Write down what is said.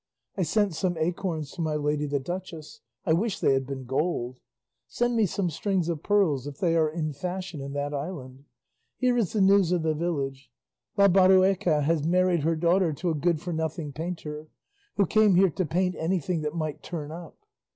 I sent some acorns to my lady the duchess; I wish they had been gold. Send me some strings of pearls if they are in fashion in that island. Here is the news of the village; La Berrueca has married her daughter to a good for nothing painter, who came here to paint anything that might turn up.